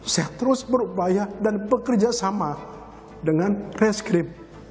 saya terus berupaya dan bekerja sama dengan reskrip